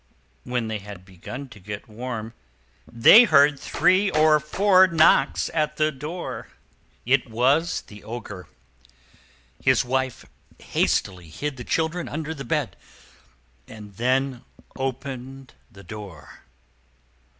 When they had begun to get warm, they heard three or four heavy knocks at the door. It was the Ogre. His wife hastily hid the children under the bed, and then opened the door.